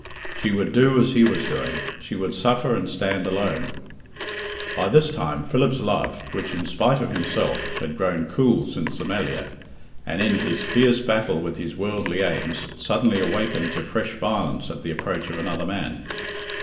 She would do as he was doing she would suffer and stand alone. By this time Philip's love, which, in spite of himself, had grown cool since the Melliah, and in his fierce battle with his worldly aims, suddenly awakened to fresh violence at the approach of another man.